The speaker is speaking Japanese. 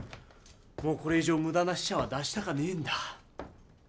もうこれ以上無駄な死者は出したかねえんだ。